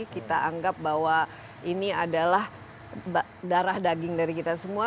kita anggap bahwa ini adalah darah daging dari kita semua